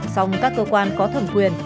xong các cơ quan có thẩm quyền